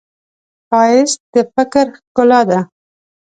ښایست د فکر ښکلا ده